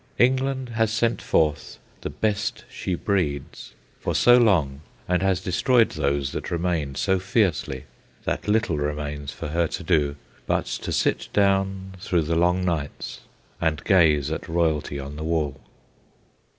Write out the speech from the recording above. England has sent forth "the best she breeds" for so long, and has destroyed those that remained so fiercely, that little remains for her to do but to sit down through the long nights and gaze at royalty on the wall.